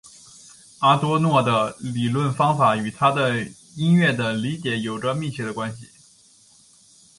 阿多诺的理论方法与他对音乐的理解有着密切联系。